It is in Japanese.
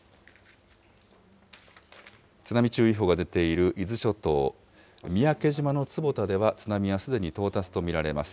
津波注意報が出ている伊豆諸島、三宅島の坪田では津波はすでに到達と見られます。